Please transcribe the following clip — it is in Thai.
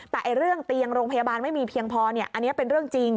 แต่เรื่องเตียงโรงพยาบาลไม่มีเพียงพออันนี้เป็นเรื่องจริง